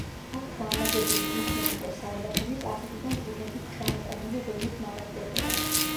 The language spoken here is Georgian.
აქ განლაგებული დუქნები და სარდაფები კახეთიდან ურმებით ჩამოტანილი ღვინით მარაგდებოდა.